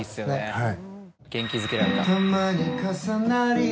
はい。